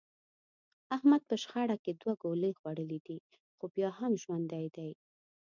احمد په شخړه کې دوه ګولۍ خوړلې دي، خو بیا هم ژوندی دی.